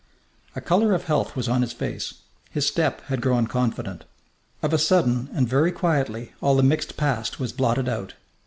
A colour of health was on his face; his step had grown confident. Of a sudden, and very quietly, all the mixed past was blotted out.